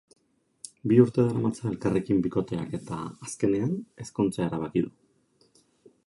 Bi urte daramatza elkarrekin bikoteak eta, azkenean, ezkontzea erabaki du.